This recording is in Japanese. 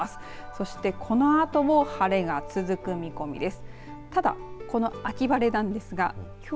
そして、このあとも晴れが続く見込みです。